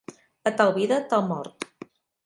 A tal vida, tal mort.